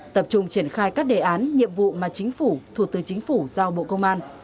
tập trung triển khai các đề án nhiệm vụ mà chính phủ thủ tư chính phủ giao bộ công an